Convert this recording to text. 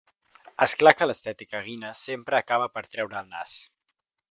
És clar que l'estètica Guinness sempre acaba per treure el nas.